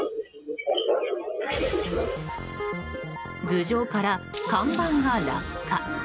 頭上から看板が落下。